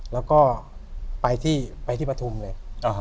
แล้วก็ไปที่ปฐุมเลย